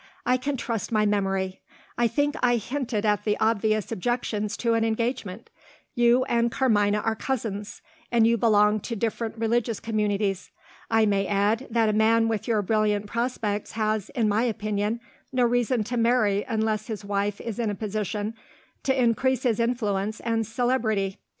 I can trust my memory. I think I hinted at the obvious objections to an engagement. You and Carmina are cousins; and you belong to different religious communities. I may add that a man with your brilliant prospects has, in my opinion, no reason to marry unless his wife is in a position to increase his influence and celebrity.